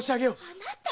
あなた！